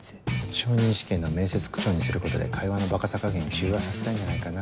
昇任試験の面接口調にすることで会話のバカさ加減を中和させたいんじゃないかな。